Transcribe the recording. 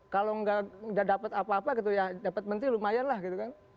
kalau nggak dapat apa apa gitu ya dapat menteri lumayan lah gitu kan